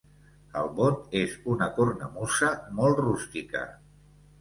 El bot és una cornamusa molt rústica.